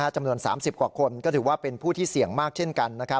จำนวน๓๐กว่าคนก็ถือว่าเป็นผู้ที่เสี่ยงมากเช่นกัน